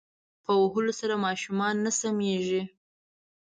په وهلو سره ماشومان نه سمیږی